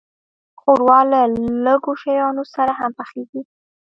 ښوروا له لږو شیانو سره هم پخیږي.